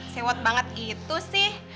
sewot banget gitu sih